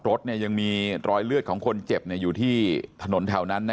รถยังมีรอยเลือดของคนเจ็บอยู่ที่ถนนแถวนั้น